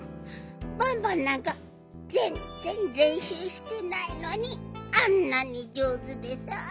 バンバンなんかぜんぜんれんしゅうしてないのにあんなにじょうずでさ。